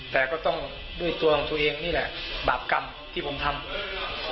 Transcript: แต่ก็ต้องด้วยตัวของตัวเองนี่แหละบาปกรรมที่ผมทำ